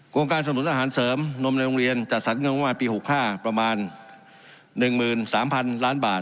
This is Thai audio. การสนุนอาหารเสริมนมในโรงเรียนจัดสรรเงินประมาณปี๖๕ประมาณ๑๓๐๐๐ล้านบาท